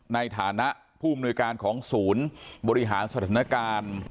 ในฐานะผู้อำนวยการของศูนย์บริหารสถานการณ์